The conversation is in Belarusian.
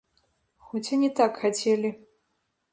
Хоць ані так хацелі.